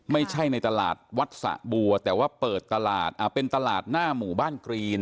ในตลาดวัดสะบัวแต่ว่าเปิดตลาดเป็นตลาดหน้าหมู่บ้านกรีน